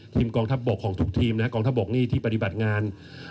กองทัพบกของทุกทีมนะฮะกองทัพบกนี่ที่ปฏิบัติงาน